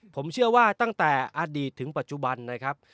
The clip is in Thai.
ผมเชื่อว่าตั้งแต่อดีตถึงปัจจุบันนะครับ